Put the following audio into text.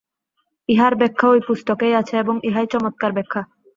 ইহার ব্যাখ্যা ঐ পুস্তকেই আছে এবং ইহাই চমৎকার ব্যাখ্যা।